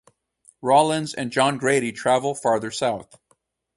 Rawlins and John Grady travel farther south.